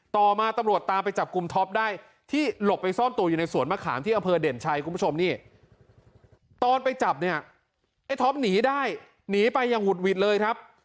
ต่อมาตำรวจตามไปจับกลุ่มท็อปได้ที่หลบไปซ่อนตัวอยู่ในสวนมะขามที่อำเภอเด่นชัยคุณผู้ชมนี่ตอนไปจับเนี่ยไอ้ท็อปหนีได้หนีไปอย่างหุดหวิดเลยครับ